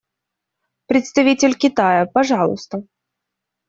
Представитель Китая, пожалуйста.